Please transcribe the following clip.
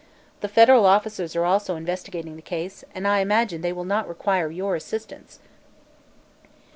The federal officers are also investigating the case, and I imagine they will not require your assistance."